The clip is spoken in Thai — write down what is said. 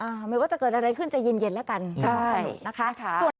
ไม่ว่าจะเกิดอะไรขึ้นจะเย็นเย็นแล้วกันใช่นะคะ